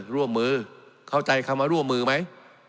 ร่วมมือเข้าใจคำว่าร่วมมือไหม